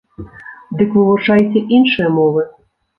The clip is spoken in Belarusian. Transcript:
Дык вывучайце іншыя мовы!